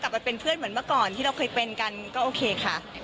ไปเป็นเพื่อนเหมือนเมื่อก่อนที่เราเคยเป็นกันก็โอเคค่ะ